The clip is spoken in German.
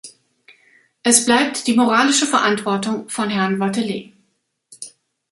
Es bleibt die moralische Verantwortung von Herrn Wathelet.